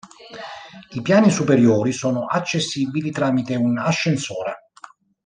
I piani superiori sono accessibili tramite un ascensore.